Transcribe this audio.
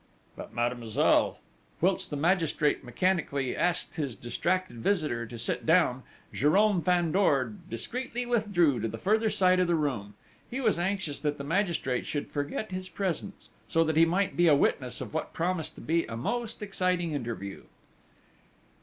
"But, mademoiselle!..." Whilst the magistrate mechanically asked his distracted visitor to sit down, Jérôme Fandor discreetly withdrew to the further side of the room; he was anxious that the magistrate should forget his presence, so that he might be a witness of what promised to be a most exciting interview.